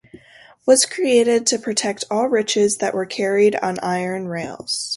Was created to protect all riches that were carried on iron rails.